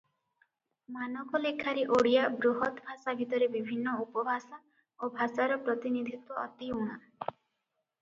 ମାନକ ଲେଖାରେ ଓଡ଼ିଆ ବୃହତଭାଷା ଭିତରେ ବିଭିନ୍ନ ଉପଭାଷା ଓ ଭାଷାର ପ୍ରତିନିଧିତ୍ୱ ଅତି ଊଣା ।